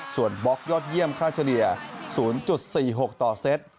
ส่วนบล็อกยอดเยี่ยมค่าเฉลี่ย๐๔๖ต่อเซต